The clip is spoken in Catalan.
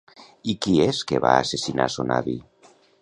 I qui és que va assassinar son avi?